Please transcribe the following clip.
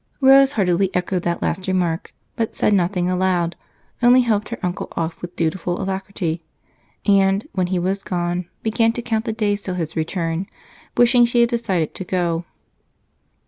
Rose heartily echoed that last remark, but said nothing aloud, only helped her uncle off with dutiful alacrity and, when he was gone, began to count the days till his return, wishing she had decided to go too.